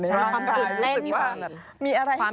ใช่ค่ะเลขมีความ